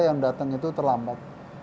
yang mengalami kecepatan kehamilan